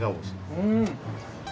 うん！